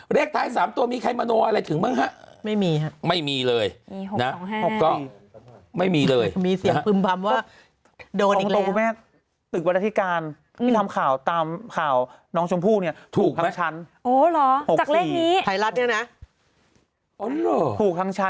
เลขท้าย๓ตัวเนี่ยมีใครมนาวอะไรถึงบ้างฮะ